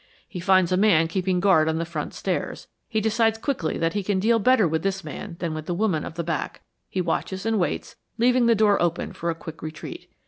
He finds a man keeping guard on the front stairs. He decides quickly that he can deal better with this man than the women of the back. He watches and waits, leaving the door open for a quick retreat.